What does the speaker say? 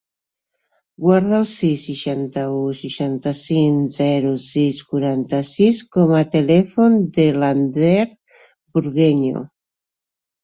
Guarda el sis, seixanta-u, seixanta-cinc, zero, sis, quaranta-sis com a telèfon de l'Ander Burgueño.